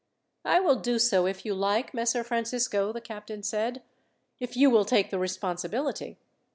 "I will do so if you like, Messer Francisco," the captain said. "If you will take the responsibility.